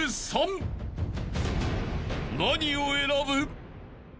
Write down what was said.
［何を選ぶ？］